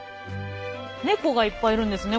ネコがいっぱいいるんですね